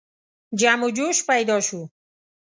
جم و جوش پیدا شو.